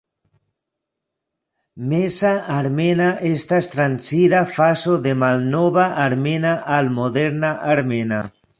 Meza armena estas transira fazo de malnova armena al moderna armena.